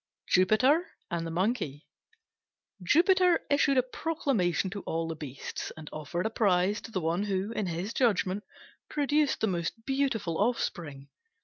JUPITER AND THE MONKEY Jupiter issued a proclamation to all the beasts, and offered a prize to the one who, in his judgment, produced the most beautiful offspring.